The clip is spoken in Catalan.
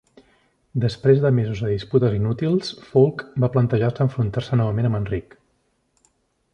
Després de mesos de disputes inútils, Fulk va plantejar-se enfrontar-se novament amb Enric.